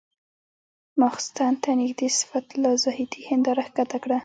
ماخستن ته نږدې صفت الله زاهدي هنداره ښکته کړه.